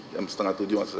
jam setengah tujuh maksud saya